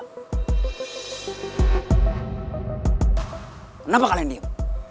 kenapa kalian diem